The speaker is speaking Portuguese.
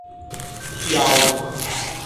Rialma